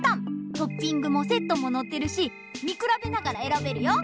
トッピングもセットものってるしみくらべながらえらべるよ。